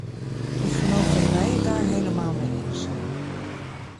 Ik geloof dat wij het daar allemaal mee eens zijn.